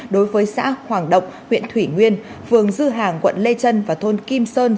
đối với xã hoàng động huyện thủy nguyên phường dư hàng quận lê trân và thôn kim sơn